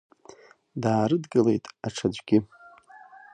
Даарыдгылеит аҽаӡәгьы.